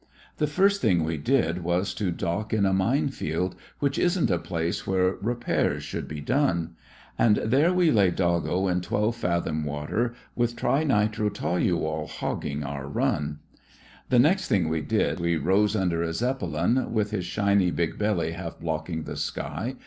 The first thing we did was to dock in a mine field. Which isn't a place where repairs should be done; 37 38 THE FRINGES OF THE FLEET And there we lay doggo in twelve fathom water With tri nitro toluol hogging our run. The next thing ive did, we rose under a Zeppelin, With his shiny big belly half blocking the sky.